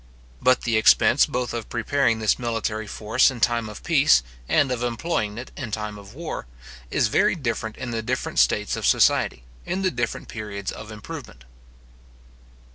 But the expense both of preparing this military force in time of peace, and of employing it in time of war, is very different in the different states of society, in the different periods of improvement.